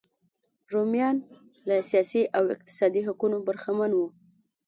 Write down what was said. رومیان له سیاسي او اقتصادي حقونو برخمن وو.